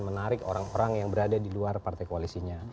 menarik orang orang yang berada di luar partai koalisinya